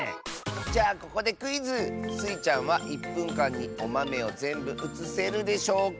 じゃあここでクイズ！スイちゃんは１ぷんかんにおまめをぜんぶうつせるでしょうか？